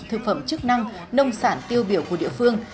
thực phẩm chức năng nông sản tiêu biểu của địa phương